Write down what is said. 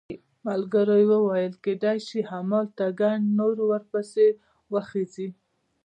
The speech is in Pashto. ملګري یې وویل کېدای شي همالته ګڼ نور پسې ور وخېژي.